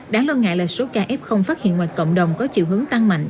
đáng lo ngại là số ca f phát hiện ngoài cộng đồng có chiều hướng tăng mạnh